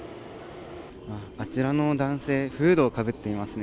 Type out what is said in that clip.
あちらの男性フードをかぶっていますね。